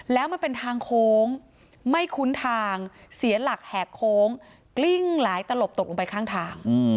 แล้วมันเป็นทางโค้งไม่คุ้นทางเสียหลักแหกโค้งกลิ้งหลายตลบตกลงไปข้างทาง